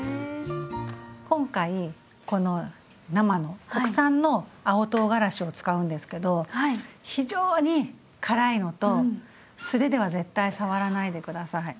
今回この生の国産の青とうがらしを使うんですけど非常に辛いのと素手では絶対触らないで下さい。